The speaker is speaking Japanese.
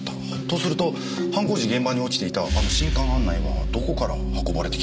とすると犯行時現場に落ちていたあの新刊案内はどこから運ばれてきたんでしょう？